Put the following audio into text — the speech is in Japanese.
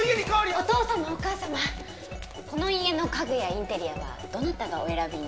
お父様お母様この家の家具やインテリアはどなたがお選びに？